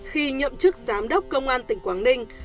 khi nhậm chức giám đốc công an tỉnh quảng ninh